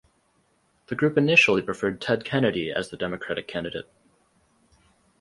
The group initially preferred Ted Kennedy as the Democratic candidate.